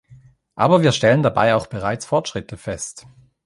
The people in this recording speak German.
Aber wir stellen dabei auch bereits Fortschritte fest.